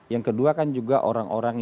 yang kedua kan juga orang orang